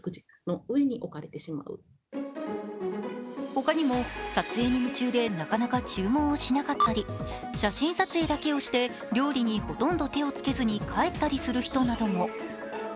ほかにも撮影に夢中でなかなか注文をしなかったり写真撮影だけをして料理にほとんど手をつけずに帰ったりする人なども。